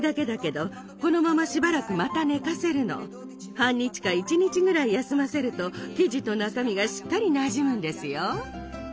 半日か１日ぐらい休ませると生地と中身がしっかりなじむんですよ。